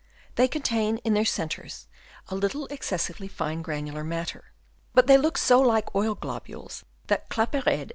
They contain in their centres a little excessively fine granular matter ; but they look so like oil globules that Claparede * Perrier, ' Archives de Zoolog.